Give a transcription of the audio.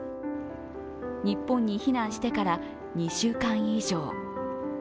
日本に避難してから２週間以上。